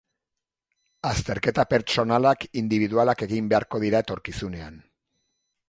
Azterketa pertsonalak indibidualak egin beharko dira etorkizunean.